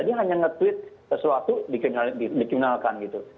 dia hanya nge tweet sesuatu dikinalkan gitu